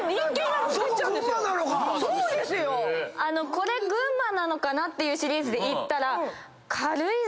これ群馬なのかなっていうシリーズでいったら。